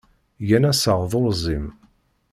Gan assaɣ d urẓim.